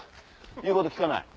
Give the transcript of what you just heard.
言うこと聞かない？